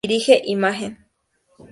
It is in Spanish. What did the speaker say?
Dirige Imagen.